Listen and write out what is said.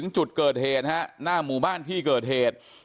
จุดเกิดเหตุนะฮะหน้าหมู่บ้านที่เกิดเหตุ